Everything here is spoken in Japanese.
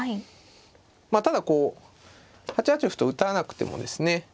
まあただこう８八歩と打たなくてもですね